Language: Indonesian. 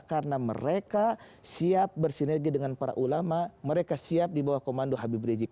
karena mereka siap bersinergi dengan para ulama mereka siap dibawah komando habib rijik